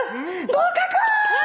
合格！